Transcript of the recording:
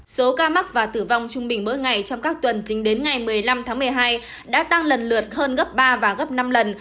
số ca mắc và tử vong trung bình mỗi ngày trong các tuần tính đến ngày một mươi năm tháng một mươi hai đã tăng lần lượt hơn gấp ba và gấp năm lần